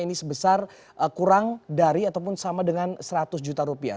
ini sebesar kurang dari ataupun sama dengan seratus juta rupiah